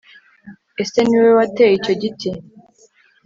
ese niwowe wateye icyo giti